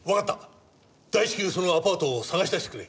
大至急そのアパートを探し出してくれ！